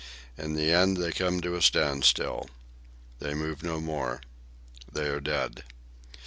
In the end they come to a standstill. They move no more. They are dead."